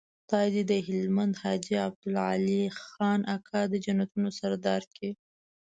خدای دې د هلمند حاجي عبدالعلي خان اکا د جنتونو سردار کړي.